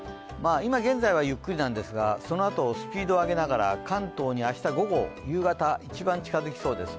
今現在はゆっくりなんですが、そのあとスピードを上げながら関東に明日午後夕方、一番近づきそうです。